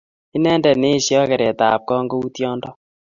Inendet ne eesyoi kereetap kong' ko uu tyondo .